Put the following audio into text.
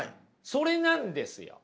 それなんですよ。